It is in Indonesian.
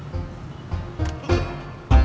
belum sembuh sama bu